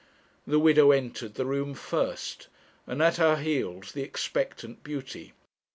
The widow entered the room first, and at her heels the expectant beauty.